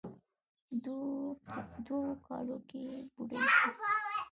دوو کالو کې بوډۍ سوه.